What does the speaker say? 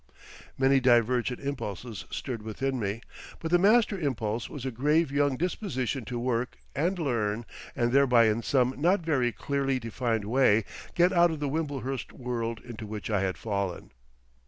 Many divergent impulses stirred within me, but the master impulse was a grave young disposition to work and learn and thereby in some not very clearly defined way get out of the Wimblehurst world into which I had fallen.